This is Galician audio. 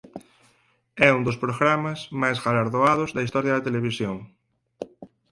É un dos programas máis galardoados da historia da televisión.